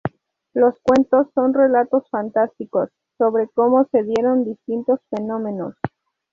Los cuentos son relatos fantásticos sobre cómo se dieron distintos fenómenos.